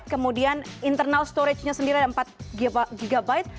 kemudian internal storage nya sendiri ada empat gb